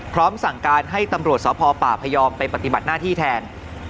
พร้อมสั่งการให้ตำรวจสพปพยอมไปปฏิบัติหน้าที่แทน